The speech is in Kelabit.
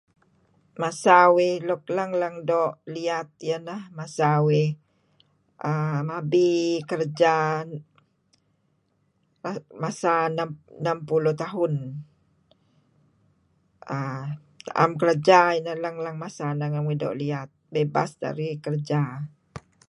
Masa uih luk lang-lang doo' liat masa uih neh mabi kereja masa enam puluh tahun. Am kerja iih. Lang-lang masa bebas dari kerja.